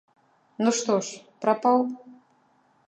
Ну, што ж, прапаў?